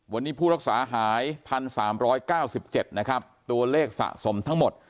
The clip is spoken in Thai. วันนี้ผู้รักษาหาย๑๓๙๗นะครับตัวเลขสะสมทั้งหมด